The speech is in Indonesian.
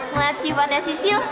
ngelihat sifatnya sisil